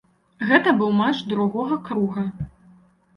Гэта быў матч другога круга.